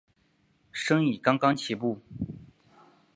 生意刚刚起步